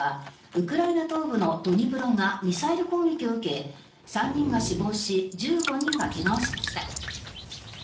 ウクライナ東部のドニプロがミサイル攻撃を受け３人が死亡し１５人が怪我をしました。